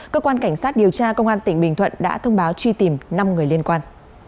cơ quan cảnh sát điều tra công an tỉnh bình thuận đã thông báo truy tìm năm người liên quan